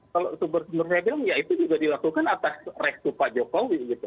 kalau sumber sumbernya bilang ya itu juga dilakukan atas resiko pak jokowi gitu